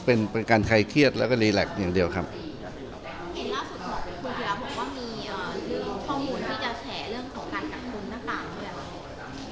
บอกว่ามีข้อมูลที่จะแชร์เรื่องของการกับคุณในตามที่แล้ว